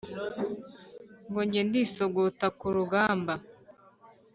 ngo njye ndisogotana ku rugamba